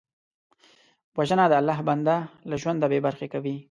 وژنه د الله بنده له ژونده بېبرخې کوي